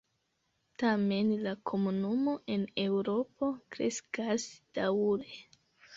Tamen, la komunumo en Eŭropo kreskas daŭre.